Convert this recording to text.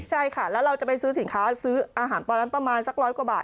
ใช่ค่ะแล้วเราจะไปซื้อสินค้าซื้ออาหารตอนนั้นประมาณสักร้อยกว่าบาท